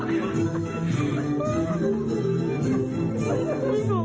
ไม่ห่วงไม่ห่วง